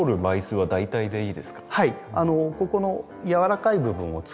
はい。